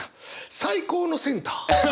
最高のセンター！